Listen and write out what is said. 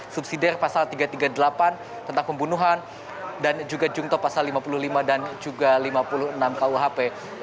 subsidi pasal tiga ratus tiga puluh delapan tentang pembunuhan dan juga jungto pasal lima puluh lima dan juga lima puluh enam kuhp